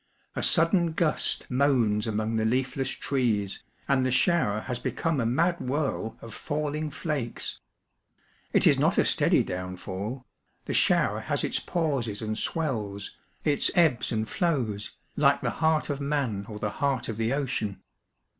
A sudden gust moans among the leafless trees, and the shower has become a mad whirl of falling flakes. It is not a steady downfall : the shower has its pauses imd swells, its obbs and flows, like the heart of man or the heart of the ocean.